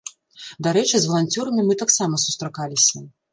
Дарэчы, з валанцёрамі мы таксама сустракаліся.